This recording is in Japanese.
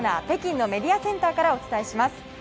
北京のメディアセンターからお伝えします。